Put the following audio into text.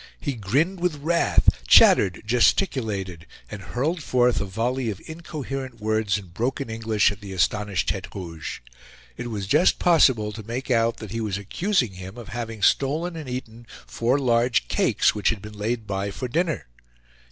He grinned with wrath, chattered, gesticulated, and hurled forth a volley of incoherent words in broken English at the astonished Tete Rouge. It was just possible to make out that he was accusing him of having stolen and eaten four large cakes which had been laid by for dinner.